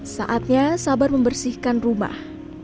saatnya sabar membersihkan rumah